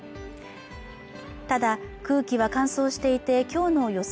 ただ空気は乾燥していてきょうの予想